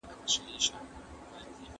د ټولګټو نظریاتو انکشاف د ټولو لپاره ګټور دی.